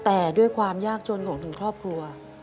แต่ด้วยความยากจนของถึงครอบครัว